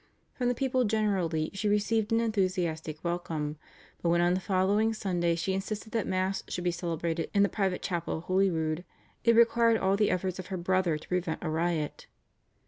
From the people generally she received an enthusiastic welcome, but, when on the following Sunday she insisted that Mass should be celebrated in the private chapel of Holyrood, it required all the efforts of her brother to prevent a riot.